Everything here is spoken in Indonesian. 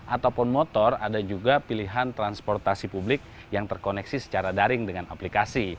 ataupun motor ada juga pilihan transportasi publik yang terkoneksi secara daring dengan aplikasi